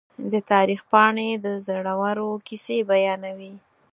د تاریخ پاڼې د زړورو کیسې بیانوي.